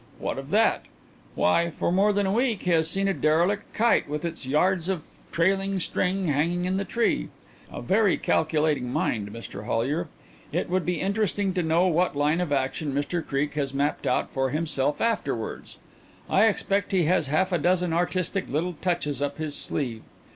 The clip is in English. What of that? Why, for more than a week he has seen a derelict kite with its yards of trailing string hanging in the tree. A very calculating mind, Mr Hollyer. It would be interesting to know what line of action Mr Creake has mapped out for himself afterwards. I expect he has half a dozen artistic little touches up his sleeve.